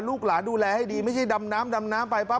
ลูกหลานดูแลให้ดีไม่ใช่ดำน้ำดำน้ำไปปั๊